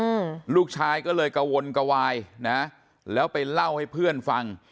อืมลูกชายก็เลยกระวนกระวายนะแล้วไปเล่าให้เพื่อนฟัง